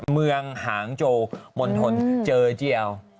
เมืองหางโจมณฑลเจอเจียว